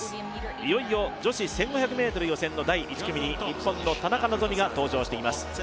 いよいよ女子１５００ｍ予選の第１組に日本の田中希実が登場してきます。